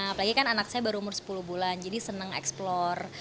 apalagi kan anak saya baru umur sepuluh bulan jadi seneng eksplor